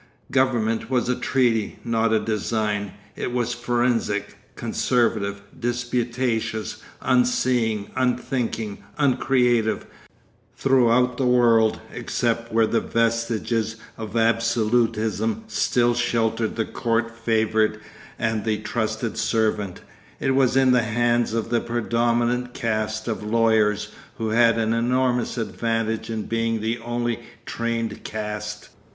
Government was a treaty, not a design; it was forensic, conservative, disputatious, unseeing, unthinking, uncreative; throughout the world, except where the vestiges of absolutism still sheltered the court favourite and the trusted servant, it was in the hands of the predominant caste of lawyers, who had an enormous advantage in being the only trained caste.